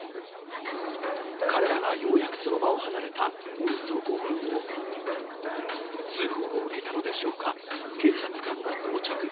彼らがようやくその場を離れたおよそ５分後通報を受けたのでしょうか警察官が到着。